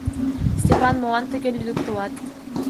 Степан, молан тыге лӱдыктылат!..